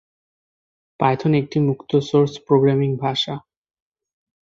Python একটি মুক্ত source programming ভাষা।